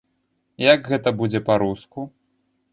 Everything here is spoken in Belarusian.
Як гэта будзе па-руску?